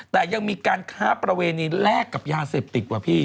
แต่ยังมีการค้าประเวณีแลกกับยาเสพติดว่ะพี่